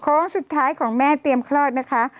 สุดท้ายของแม่เตรียมคลอดนะคะ